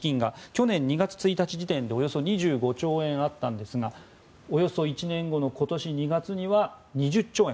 去年２月１日時点でおよそ２５兆円あったんですがおよそ１年後の今年２月には２０兆円。